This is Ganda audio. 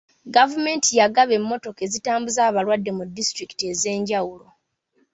Gavumenti yagaba emmotoka ezitambuza abalwadde mu disitulikiti ez'enjawulo.